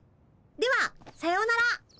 ではさようなら。